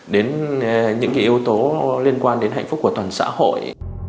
đến những yếu tố liên quan đến hạnh phúc của toàn xã hội